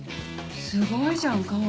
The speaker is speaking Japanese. すごいじゃん川合。